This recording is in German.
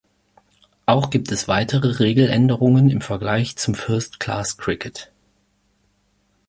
Auch gibt es weitere Regeländerungen im vergleich zum First-Class Cricket.